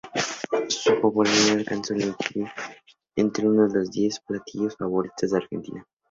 Su popularidad alcanza a incluirlo entre uno de los diez platillos favoritos de Argentina.